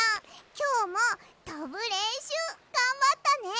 きょうもとぶれんしゅうがんばったね！